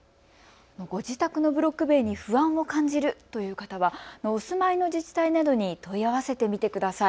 ご自宅のブロック塀に不安を感じるという方はお住まいの自治体などに問い合わせてみてください。